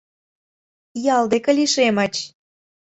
Ял деке лишемыч.